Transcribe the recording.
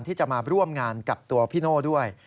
ที่จะมาร่วมงานกับตัวพี่โน่ด้วย